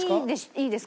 いいですか？